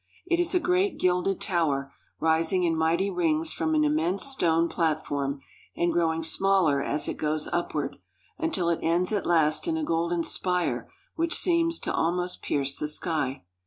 It is a great gilded tower, rising in mighty rings from an immense stone platform, and growing smaller as it goes upward, until it ends at last in a golden spire which seems to almost pierce the sky.